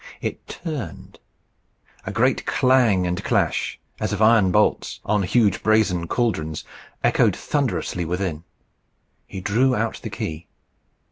It turned. A great clang and clash, as of iron bolts on huge brazen caldrons, echoed thunderously within. He drew out the key.